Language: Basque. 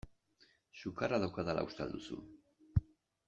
Sukarra daukadala uste al duzu?